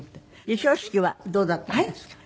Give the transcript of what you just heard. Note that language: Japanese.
授章式はどうだったんですか？